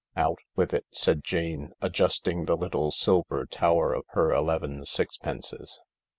"Out with it," said Jane, adjusting the little silver tower of her eleven sixpences.